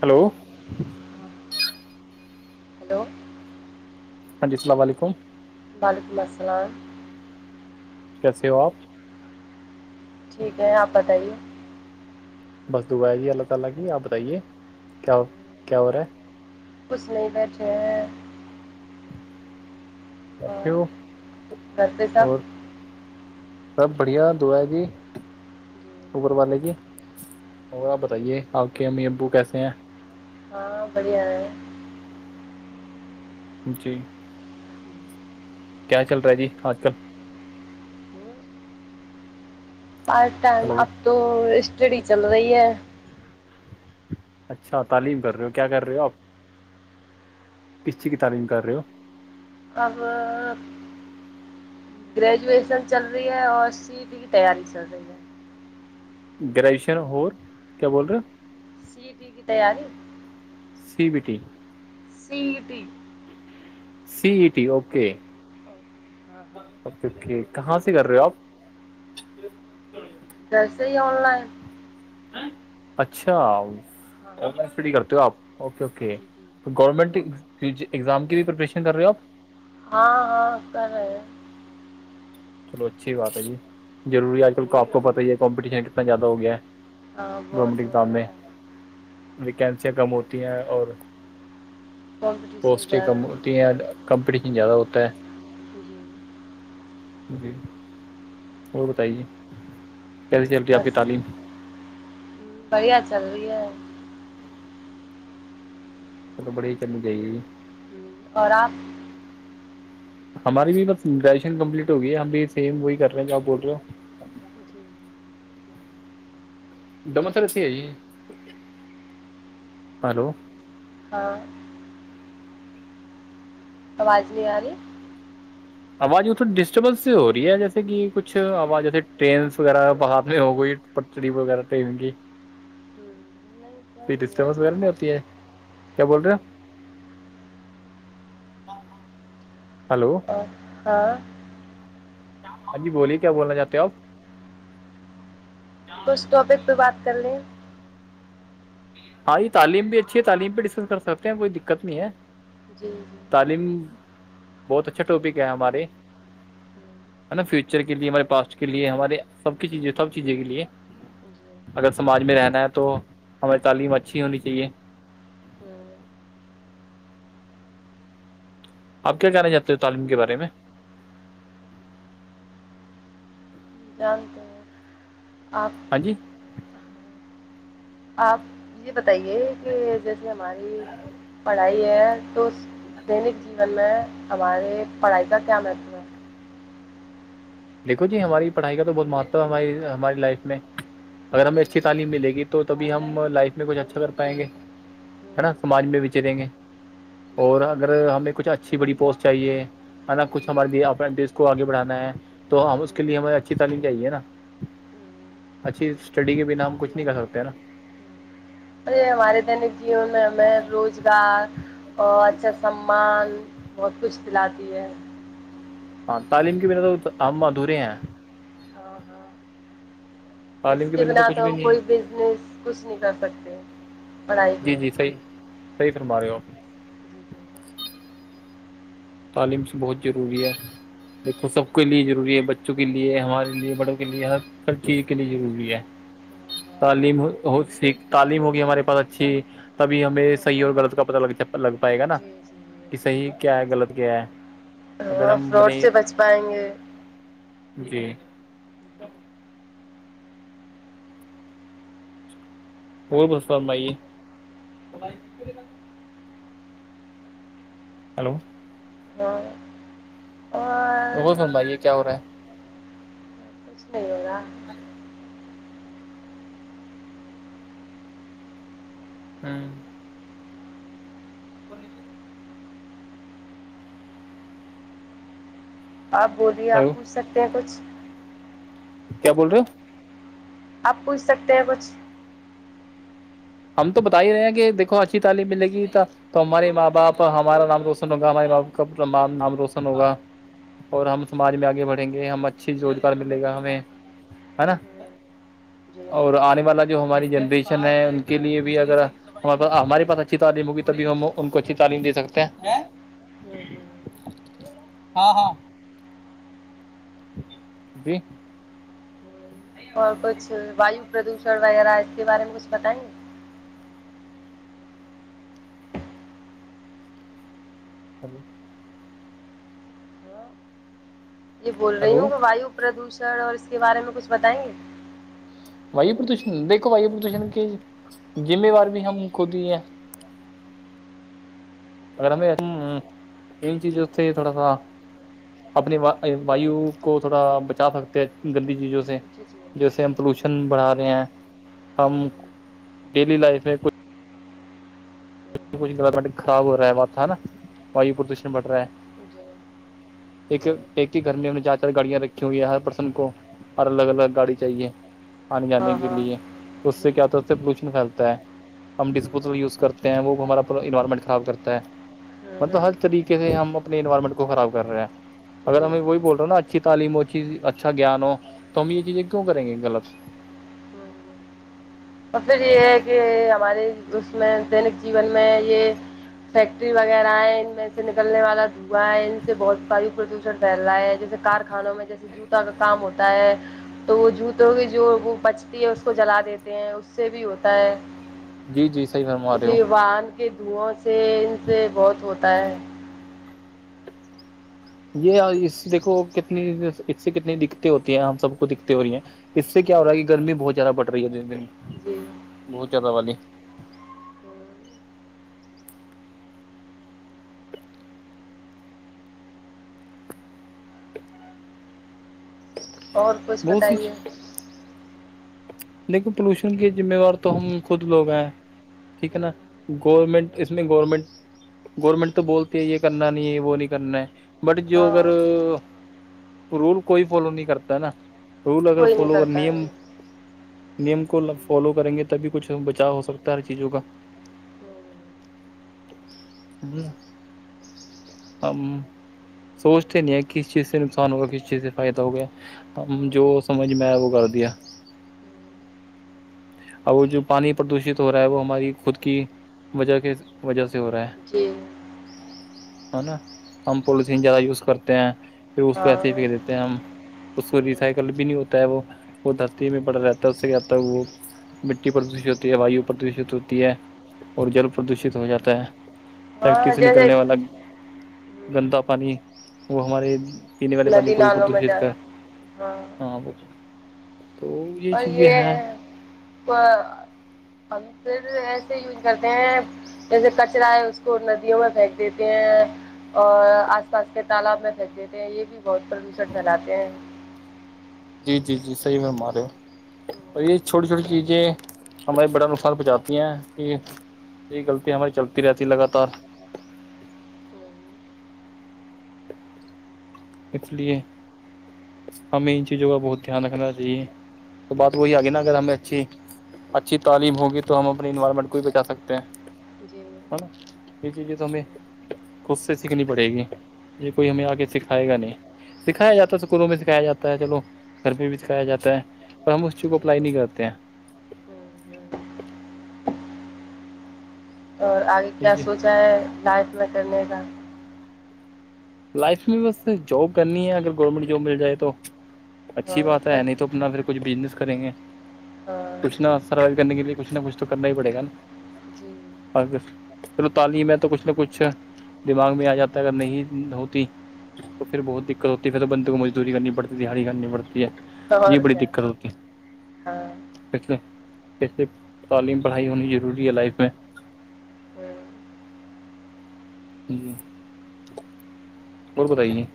Hello [unintelligible] hello ہاں اسلام علیکم وعلیکم السلام کیسے ہو آپ ٹھیک ہے آپ بتائیے بس دعا ہیے اللہ تعالی کی آپ بتائیں کیا کیا ہورہا کچھ نہیں بیٹھے ہیں اٹے اور ہو گھر پہ سب اور [unintelligible] سب بڑھیا دعا ہے جی اوبر والے کیی اور آپ بتائیے آپ کے امی ابو کیسے ہیں ہاں بڑھیا ہے جی کیا چل رہا ہے جی آج کل ہر ٹائم ہلو اب تو اسٹڈی چل رہی ہے اچھا تعلیم کر رہے ہو کیا کر رہے ہو آپ کسی چیز کی تعلیم کر رہے ہو اب [unintelligible] گریجویشن چل رہی ہے اور سیٹی کی تیاری چل رہی ہے گریجوشن ہو کیا بول رہے ہو جی جی کی تیاری C B T C B C E T okay ہاں ہاں اوکے اوکے کہاں سے کر رہے ہو آپ کیسے ہی آن لائن اچھا ہاں سٹڈی کرتے ہو آپ اوکے اوکے جی جی گورنمنٹ ایگزام کی بھی پریپریشن کر رہے ہو آپ ہاں ہاں کر رہے ہیں چلو اچھی بات ہے جی ضروری آج کل کا آپ کو پت ہی ہے کمپٹیشن کتنا زیادہ ہویا ہے ہاں گورنمنٹ بہت ہو ایگزام رہا میں ہے ویکینسیاں کم ہوتی ہیں اور کمپٹیشن پوسٹیں زیادہ کم ہے کمپیٹٹیشن زیادہ ہوتا ہے جی اور بتائیے کیسی چلتی ہے آپ بس کی تعلیم بڑھیا چل رہی ہے چلو بڑھیا ہی چلنی چاہیے جی اور آپ ہماری بھی بس گریجویشن کمپلیٹ ہوگی ہم بھی سیم وہی کرے ہیں جو آپ بول رہے ہو [inaudible] [inaudible] ہے جی ہلو ہاں آواز نہیں آ رہی آواز وہ تو ڈسٹربنس سے ہو رہی ہے جیسے کہ کچھ آواز جیسے ٹرینس وغیرہ بہات میں ہو گئی پٹری وغیرہ تو ہو گی [inaudible] نہیں کوئی نہیں ہے ڈسٹربنس وغیرہ نہیں ہوتی ہے کیا بول رہے ہو آپ ہلو اور ہاں ہاں جی بولیے کیا بولنا چاہتے ہو آپ بس ٹاپک پہ بات کر لیں ہاں یہ تعلیم بھی اچھی ہے تعلیم بھی ڈسکس کر سکتے ہیں کوئی دقت نہیں ہے جی جی تعلیم بہت اچھا ٹاپک ہے ہمارے ہے نا فیوچر کے لیے ہمارے پاسٹ کے لیے ہمارے سب کی چیزیں سب چیزیں کے لیے جی اگر سماج میں رہنا ہے تو ہماری تعلیم اچھی ہونی چاہیے ہوں، آپ کیا کہنا چاہتے ہیں تعلیم کے بارے میں جانتے ہیں آپ ہاں جی آپ یہ بتائیے کہ جیسے ہماری پڑھائی ہے تو دینک جیون میں ہمارے پڑھائی کا کیا ہے دیکھو جی ہماری پڑھائی کا تو بہت مہتو ہے ہماری ہماری لائف میں اگر ہمیں اچھی تعلیم ملے گی تو تبھی ہم لائف میں کچھ اچھا کر پائیں گے ہے نا سماج میں بھی چریں گے اور اگر ہمیں کچھ اچھی بڑی پوسٹ چاہیے ہے نا جی ہوں، کچھ جی ہمارے اپنے دیش کو آگے بڑھانا ہے تو ہم اس کے لیے ہوں۔ ہمیں اچھی تعلیم چاہیے نا اچھی اسٹڈی کے بنا ہم کچھ نہیں کر سکتے ہیں نا ہمارے دینک جیون میں ہمیں روزگار اور اچھا سممان بہت کچھ دلاتی ہے ہاں تعلیم کے بنا تو ہم ادھورے ہیں ہاں ہاں تو اس تعلیم کے بنا کچھ تو بھی ہم نہیں کوئی بزنس کچھ نہیں کر سکتے پڑھائی کے جی بنا جی صحیح صحیح فرماے ہوپ جی جی تعلیم سے بہت ضروری ہے دیکھو سب کے لیے ضروری ہے بچوں کے لیے ہمارے لیے بڑوں کے لیے ہر ہر چیز کے لیے ضروری ہے ہاں تعلیم س تعلیم ہوگی ہمارے پاس اچھی تبھی ہمیں ہاں صحیح اور غلط کا پتا لگ لگ پائے گا نا جی جی کہ صحیح کیا ہے غلط اگر ہاں ہم فراڈ سے بچ پائیں گے جی وہ بس سمائیے ہلو ہاں اور غور فرمائیے کیا ہو رہا ہے کچھ نہیں ہوگا ہوں بن آپ بولیے آپ ہلو پوچھ سکتے ہیں کچھ کیا بول رہے ہو آپ پوچھ سکتے ہیں کچھ ہم تو بتا ہی رہے ہیں کہ دیکھو اچھی تعلیم ملے گی ت تو ہمارے ماں باپ ہمارا نام روشن ہوگا ہمارے ماں باپ کا نام روشن ہوگا اور ہم سماج میں آگے بڑھیں گے ہم اچھی روزگار ملے گا ہمیں ہے نا ہوں جی اور آنے والا جو ہماری جنریشن ہے کے لیے بھی اگر ہم پ ہمارے پاس اچھی تعلیم ہوگی تبھی ہم ان کو اچھی تعلیم دے سکتے ہیں ہ ہاں ہاں ہاں جی اور کچھ وایو پردوشن وغیرہ اس کے بارے میں کچھ بتائیں گے ہیلو یہ بول رہی ہلو ہوں کہ وایو پردوشن اور اس کے بارے میں کچھ بتائیں گے وایو پردوشن دیکھو وایو پردوشن کی ذمےوار بھی ہم کھ دی ہے اگر ہمیں چیز سے تھوڑا سا اپنی وایو کو تھوڑا بچا سکتے ہیں گندی چیزوں سے جی جی جیسے ہم پولوشن بڑھا رہے ہیں ہم ڈیلی لائف میں کچھ کچھوائرمنٹ خراب ہو رہا ہے واتا نا وایو پردوشن بڑھ رہا ہے جی جی ایک جی ایک ہی گھر میں ان نے جا کر گاڑیاں رکھی ہوئی ہے ہر پرسن کو اور الگ الگ گاڑی چاہیے انے جانے ہاں کے ہاں لیے اس سے کیا ہوتا پولوشن پھیلتا ہے ہم ڈسپوزل جی یوز کرتے ہیں وہ ہمارا پورا انوائرمنٹ خراب کرتا ہے مطلب ہر ہوں طریقے سے ہم اپنے انوائرمنٹ کو خراب کر رہے ہیں ہوں اگر جی ہمیں وہی بول رہے ہو نا اچھی تعم ہو اچھی اچھا گیان ہو تو ہم یہ چیزیں کیوں کریں گے غلط ہوں اور پھر یہ ہے کہ ہمارے اس میں دینک جیون میں یہ فیکٹری وغیرہ ہے ان میں سے نکلنے والا دھوا ہے ان سے بہت ساری پردش پھل رہا ہے جیسے کارخانوں میں جیسے جوتا کا کام ہوتا ہے تو وہ جوتوں کی جو وہ بچتی ہے اس کو جلا دیتے اس سے بھی ہوتا ہے جی جی صحیح فرما رہے ج ہو ون دھوواں سے ان سے بہت ہوتا ہے یہ اس دیکو کتنی اس سے کتنی دقتیں ہوتی ہیں ہم سب کو دکھ دقتیں ہو رہی ہیں اس سے کیا ہو رہا ہے ہوں کہ گرمی بہت زیادہ بڑ رہی ہے دن دن جی بہت زیادہ والی ہوں، اور کچھ بہت بتائیے دیکھو پولوشن کے ذمہوار تو ہم خود لوگ ہیں ٹھیک ہے نا گورنمنٹ اس میں گورنمنٹ گورنمنٹ تو بولتی ہے یہ کرنا نہیں ہے وہ نہیں کرنا ہے بٹ جو اگر ہاں رول کوئی فالو نہیں کرتا نا رول اگر کوئی نہیں فالو کر کرتا ہے نیم نیم کو فالو کریں گے تبھی کچھ بچاؤ ہو سکتا ہے ہر چیزوں کا ہم سوچتے نہیں ہیں کس چیز سے نقصان ہوگا کس چیز سے فائدہ ہوگیا ہم جو سمجھ میں آیا وہ کر دیا اور وہ جو پانی پردوشت ہو رہا ہے وہ ہماری خود کی وجہ کے وجہ سے ہو رہا ہے جی ہے نا ہم پوالسین زیادہ یوز کرتے ہیں پھر اس پہ ہاں ایسے ہی پھینک دیتے ہم اس کو ریسائیکل بھی نہیں ہوتا ہے وہ وہ دھرتی میں پڑ رہتا ہے وہ مٹی پردوشت ہوتی ہے وہ پردشت ہوتی ہے اور جل پردوشت ہو جاتا ہے فیکٹری ہاں سے نکلنے جیسے والا گندا پانی وہ ہمارے پینے والے پانی ندی کو بھی نالوں میں جا پردوشت کر ہاں وہ تو اور چیزیں یہ ہیں ہم پھر ایسے ہی کرتے ہیں جیسے کچرا ہے اس کو ندیوں میں پھینک دیتے ہیں اور آس پاس کے تالاب میں پھینک دیتے ہیں یہ بھی بہت پردوشن پلاتے ہیں جی جی جی صحیح فرما رہے ہو اور یہ چھوٹی چھوٹی چیزیں ہمارے بڑا نقصان پہنچاتی ہیں کہ یہی غلطی ہماری چلتی رہتی ہے لگاتار اس لیے ہمیں ان چیزوں کا بہت دھیان رکھنا چاہیے تو بات وہی آگے نا اگر ہمیں اچھی اچھی تعلیم ہوگی تو ہم اپنے انوائرمنٹ کو بھی بچا سکتے ہیں جی ہے نا یہ چیزیں تو ہمیں خود سے سیکھنی پڑے گی یہ کوئی ہمیں آگے سکھائے گا نہیں سکھایا جاتا ہے اسکولوں میں سکھایا جاتا ہے چلو گھر پہ بھی سکھایا جاتا ہے پر ہم اس چیز کو اپلائی نہیں کرتے ہیں اور آگے کیا سوچا ہے لائف میں کرنے کا لائف میں بس جاب کرنی ہے اگر گورنمنٹ جاب مل جائے تو اچھی ہاں بات ہے پھر ہے نہیں تو اپنا پھر کچھ بزنس کریں گے ہاں کچھ نا سروائیو کرنے کے لیے کچھ نہ کچھ تو کرنا ہی پڑے گا نا جی چلو تعلیم ہے تو کچھ نہ کچھ دماغ میں آ جاتا ہے اگر نہیں ہوتی تو پھر بہت دقت ہوتی ہے پھر تو بندے کو مزدوری کرنی پڑتی دہاڑی کرنی پڑتی ہے یہ بڑی دقت ہوتی ہے ہاں سے کیسے تعلیم پڑھائی ہونی ضروری ہے لائف میں جی اور بتائیے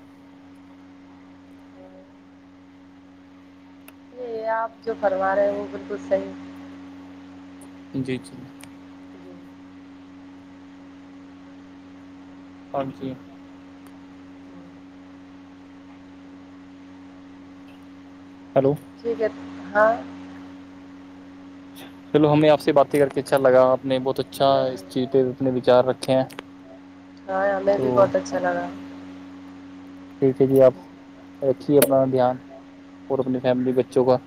یہ آپ جو کروا رہے ہیں وہ بالکل صحیح جی جی ہاں جی ہلو ٹھیک ہے ہاں چلو ہمیں آپ سے باتیں کر کے اچھا لگا آپ نے بہت اچھا ہمیں اس چیز بھی پہ اپنے وچار رکھے ہیں ہاں ہمیں تو بھی بہت اچھا لگا ٹھیک ہے جی آپ رکھیے اپنا دھیان اور اپنی فیملی بچوں کا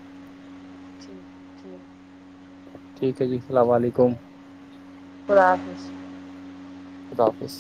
جی ٹھیک ہے جی السلام علیکم خدا حافظ خدافظ